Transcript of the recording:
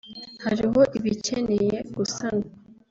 hariho ibikeneye gusanwa